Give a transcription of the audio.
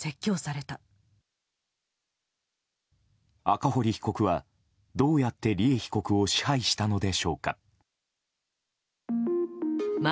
赤堀被告は、どうやって利恵被告を支配したのでしょうか。